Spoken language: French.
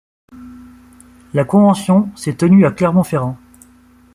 La convention s'est tenue à Clermont-Ferrand.